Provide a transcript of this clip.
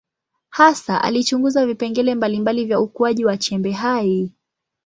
Hasa alichunguza vipengele mbalimbali vya ukuaji wa chembe hai.